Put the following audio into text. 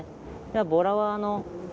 ボラはあの。